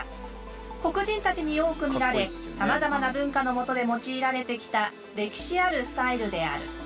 黒人たちに多く見られさまざまな文化のもとで用いられてきた歴史あるスタイルである。